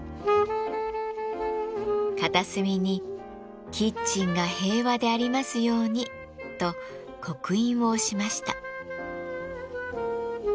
片隅に「キッチンが平和でありますように」と刻印を押しました。